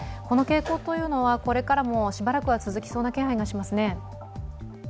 この傾向というのはこれからもしばらくは続きそうな気配がしますね。